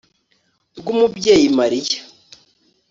rwumubyeyi mariya